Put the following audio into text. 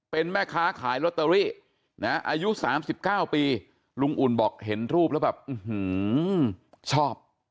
เป็นแม่ค้าขายลอตเตอรี่นะอายุ๓๙ปีลุงอุ่นบอกเห็นรูปแล้วแบบชอบ